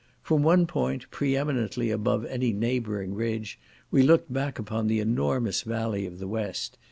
From one point, pre eminently above any neighbouring ridge, we looked back upon the enormous valley of the West.